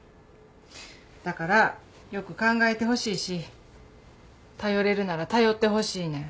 だからよく考えてほしいし頼れるなら頼ってほしいねん。